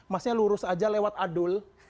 masnya lurus aja lewat adull